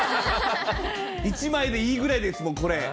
１枚でいいぐらいです、もうこれ。